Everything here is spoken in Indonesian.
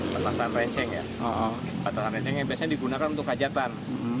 petasan renceng yang biasanya digunakan untuk hajatan